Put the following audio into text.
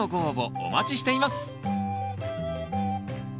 お待ちしています。